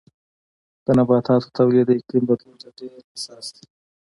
د نباتاتو تولید د اقلیم بدلون ته ډېر حساس دی.